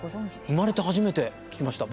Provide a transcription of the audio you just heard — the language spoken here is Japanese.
生まれて初めて聞きました。